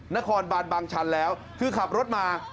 นครบัรบางชันคือขับรถมา